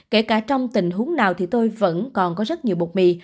kể cả trong tình huống nào thì tôi vẫn còn có rất nhiều bột mì